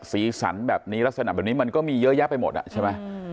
สีสันแบบนี้ลักษณะแบบนี้มันก็มีเยอะแยะไปหมดอ่ะใช่ไหม